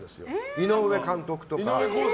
井上監督とか。